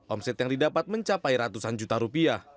omset yang didapat mencapai ratusan juta rupiah